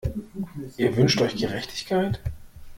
Ihr wünscht euch Gerechtigkeit?